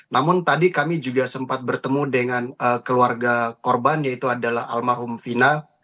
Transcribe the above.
namun tadi kami juga sempat bertemu dengan keluarga korban yaitu adalah almarhum vina